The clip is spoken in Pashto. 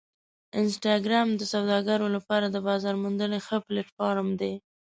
انسټاګرام د سوداګرو لپاره د بازار موندنې ښه پلیټفارم دی.